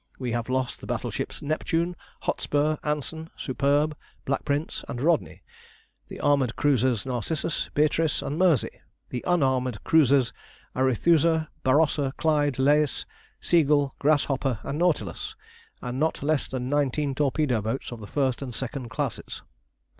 We have lost the battleships Neptune, Hotspur, Anson, Superb, Black Prince, and Rodney, the armoured cruisers Narcissus, Beatrice, and Mersey, the unarmoured cruisers Arethusa, Barossa, Clyde, Lais, Seagull, Grasshopper, and Nautilus, and not less than nineteen torpedo boats of the first and second classes.